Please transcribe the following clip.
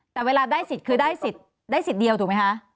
แต่เวลาได้สิทธิ์คือได้สิทธิ์เดียวถูกไหมคะ